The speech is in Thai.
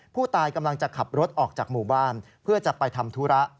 ผู้ตายกำลังจะขับรถออกจากหมู่บ้านเพื่อจะไปทำธุระ